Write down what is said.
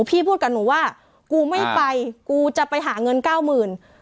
พี่พูดกับหนูว่ากูไม่ไปกูจะไปหาเงิน๙๐๐๐๐